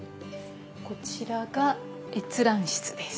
こちらが閲覧室です。